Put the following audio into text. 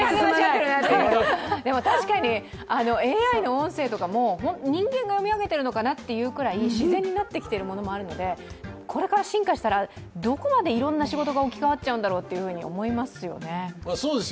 でも確かにＡＩの音声とかも人間が読み上げてるのかなってぐらい自然になってきてるものもあるので、これから進化したらどこまでいろいろ仕事が置き換わっちゃうんだろうと思いますよね。